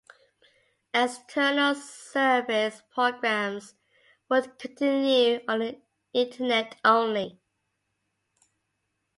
External service programmes would continue on the internet only.